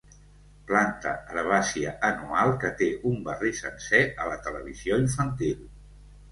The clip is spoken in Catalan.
Planta herbàcia anual que té un barri sencer a la televisió infantil.